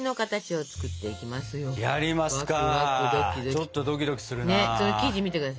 ちょっとドキドキするな。